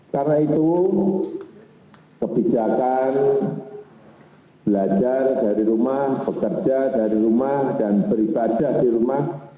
karena itu kebijakan belajar dari rumah bekerja dari rumah dan beribadah di rumah